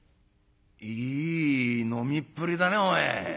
「いい飲みっぷりだねお前。